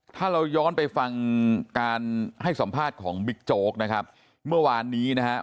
ถ้าเราย้อนไปฟังการให้สัมภาษณ์ของบิ๊กโจ๊กนะครับเมื่อวานนี้นะฮะ